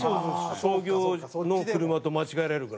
商業の車と間違えられるから。